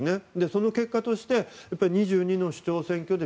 その結果として２２の市長選挙で